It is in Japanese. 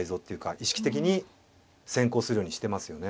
意識的に先行するようにしてますよね。